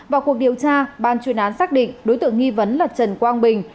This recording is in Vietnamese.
vào cuộc điều tra ban chuyên án xác định đối tượng nghi vấn là trần quang bình